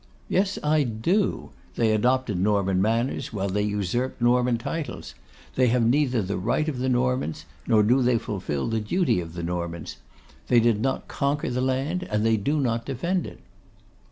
'Yes, I do: they adopted Norman manners while they usurped Norman titles. They have neither the right of the Normans, nor do they fulfil the duty of the Normans: they did not conquer the land, and they do not defend it.